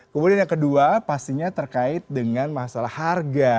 kemudian yang kedua pastinya terkait dengan masalah harga